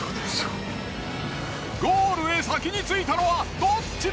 ゴールへ先に着いたのはどっちだ！？